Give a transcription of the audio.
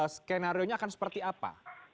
skenarionya akan seperti apa